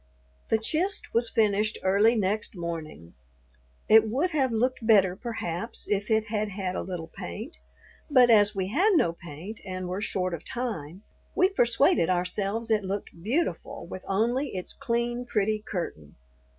The "chist" was finished early next morning. It would have looked better, perhaps, if it had had a little paint, but as we had no paint and were short of time, we persuaded ourselves it looked beautiful with only its clean, pretty curtain.